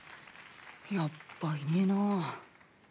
やっぱいねえな。